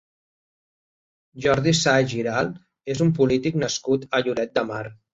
Jordi Sais Giralt és un polític nascut a Lloret de Mar.